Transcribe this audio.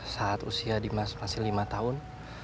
saat usia dimas masih lima tahun